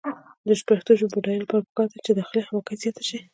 د پښتو ژبې د بډاینې لپاره پکار ده چې داخلي همغږي زیاته شي.